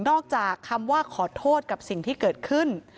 จากคำว่าขอโทษกับสิ่งที่เกิดขึ้น